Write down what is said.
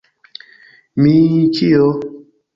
Mi... kio?